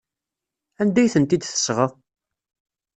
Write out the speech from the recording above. Anda ay tent-id-tesɣa?